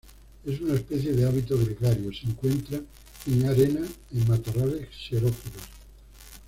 Es una especie de hábito gregario, se encuentra en arena en matorrales xerófilos.